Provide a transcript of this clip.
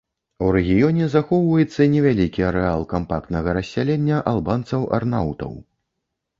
У рэгіёне захоўваецца невялікі арэал кампактнага рассялення албанцаў-арнаўтаў.